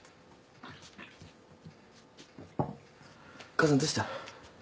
母さんどうした？